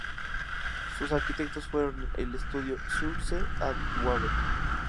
Sus arquitectos fueron el estudio "Schultze and Weaver".